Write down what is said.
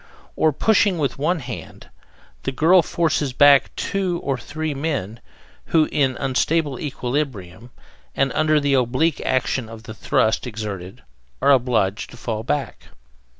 On pushing with one hand, the girl forces back two or three men, who, in unstable equilibrium and under the oblique action of the thrust exerted, are obliged to fall back.